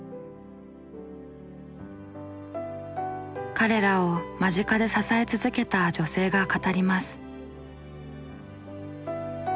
彼らを間近で支え続けた女性が語ります。